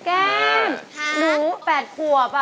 แก้มหนู๘ขวบ